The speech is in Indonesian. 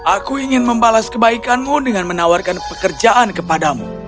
aku ingin membalas kebaikanmu dengan menawarkan pekerjaan kepadamu